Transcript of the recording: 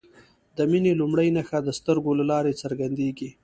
د مینې لومړۍ نښه د سترګو له لارې څرګندیږي.